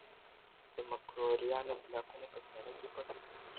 د مکروریانو بلاکونه په تیاره کې پټ وو.